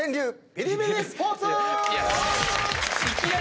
ビリビリスポーツ！